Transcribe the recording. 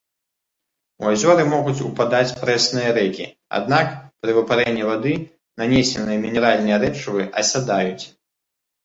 У азёры могуць упадаць прэсныя рэкі, аднак, пры выпарэнні вады нанесеныя мінеральныя рэчывы асядаюць.